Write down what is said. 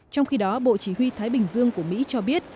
trong khi đó bộ chỉ huy thái bình dương của mỹ cho biết